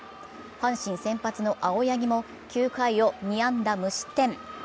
阪神、先発の青柳も９回を２安打無失点。